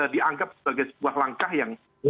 dianggap sebagai sebuah langkah yang